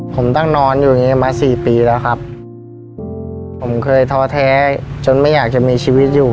ผมตั้งนอนอยู่อย่างงี้มาสี่ปีแล้วครับผมเคยท้อแท้จนไม่อยากจะมีชีวิตอยู่